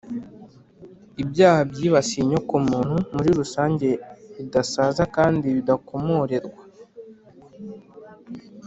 ibyaha byibasiye inyoko muntu muri rusange bidasaza kandi bidakomorerwa.